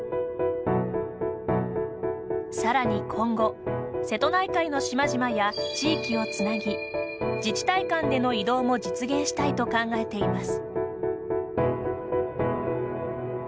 さらに今後、瀬戸内海の島々や地域をつなぎ自治体間での移動も実現したいと考えています。